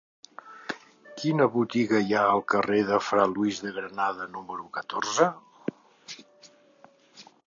Quina botiga hi ha al carrer de Fra Luis de Granada número catorze?